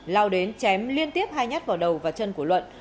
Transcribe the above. lao đến chém liên tiếp hai nhát vào đầu và chân của luận